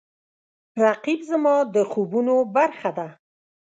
رقیب زما د خوبونو برخه ده